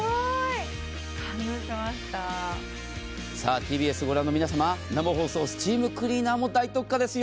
ＴＢＳを御覧の皆様、生放送、スチームクリーナーも大特価ですよ。